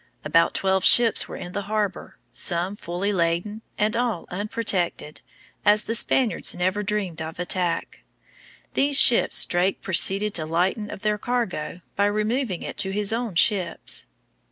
About twelve ships were in the harbor, some fully laden, and all unprotected, as the Spaniards never dreamed of attack. These ships Drake proceeded to lighten of their cargo by removing it to his own ships.